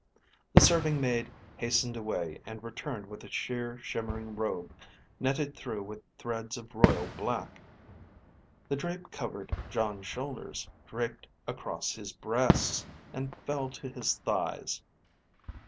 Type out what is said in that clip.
The serving maid hastened away and returned with a sheer, shimmering robe, netted through with threads of royal black. The drape covered Jon's shoulders, draped across his breasts, and fell to his thighs.